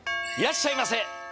いらっしゃいませ。